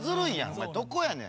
お前どこやねん？